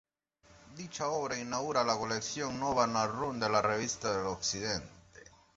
Dicha obra inaugura la colección "Nova Novarum" de la "Revista de Occidente".